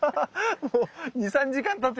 もう２３時間たってる。